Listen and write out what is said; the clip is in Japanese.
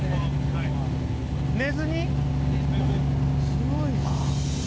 すごいわ。